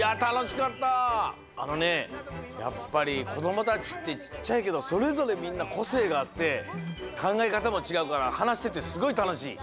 やっぱりこどもたちってちっちゃいけどそれぞれみんなこせいがあってかんがえかたもちがうからはなしててすごいたのしい。